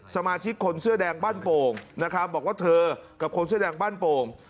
สมาชิกคนเสื้อแดงบ้านโป่งนะครับบอกว่าเธอกับคนเสื้อแดงบ้านโป่ง